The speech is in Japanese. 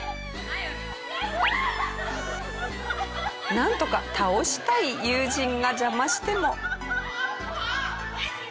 なんとか倒したい友人が邪魔しても。